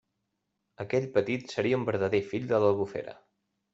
Aquell petit seria un verdader fill de l'Albufera.